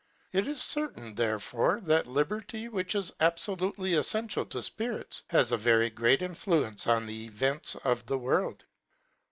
It is certain, therefore, that liberty, which is abfo lutely effential to fpirits, has a very great influence on the events of the world.